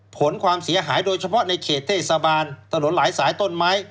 ผลความเสียหายโดยเฉพาะในเขตเทศบาลถนนหลายสายต้นไม้